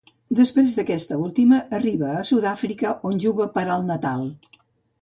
Després d'aquesta última, arriba a la Sud-àfrica on juga per al Natal.